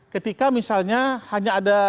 ketika misalnya hanya ada